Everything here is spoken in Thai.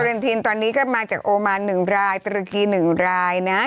การ์แรนทีนตอนนี้ก็มาจากโอมาน๑รายตรกี๑รายนะ